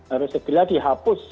harus segera dihapus